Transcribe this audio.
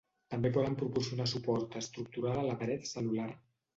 També poden proporcionar suport estructural a la paret cel·lular.